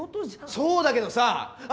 そうだけどさあ